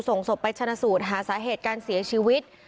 ส่งศพไปชนะสูตรหาสาเหตุการเสียชีวิต